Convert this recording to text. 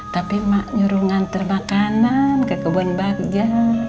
tapi mak nyuruh nganter makanan ke kebun bagja